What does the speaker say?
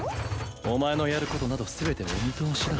お前のやることなど全てお見通しだ